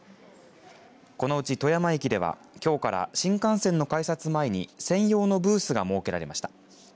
このうち富山駅ではきょうから新幹線の改札前に専用のブースが設けられました。